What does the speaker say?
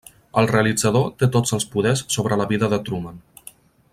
El realitzador té tots els poders sobre la vida de Truman.